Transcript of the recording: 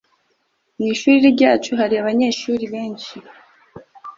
mu ishuri ryacu hari abanyeshuri benshi